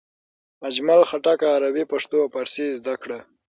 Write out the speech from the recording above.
اجمل خټک عربي، پښتو او فارسي زده کړه.